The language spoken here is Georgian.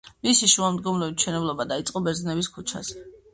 მისი შუამდგომლობით მშენებლობა დაიწყო ბერძნების ქუჩაზე.